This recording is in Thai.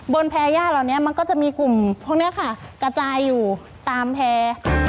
แพรย่าเหล่านี้มันก็จะมีกลุ่มพวกนี้ค่ะกระจายอยู่ตามแพร่